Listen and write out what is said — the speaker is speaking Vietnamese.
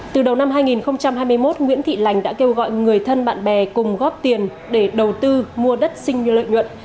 từ đầu năm hai nghìn hai mươi một nguyễn thị lành đã kêu gọi người thân bạn bè cùng góp tiền để đầu tư mua đất sinh như lợi nhuận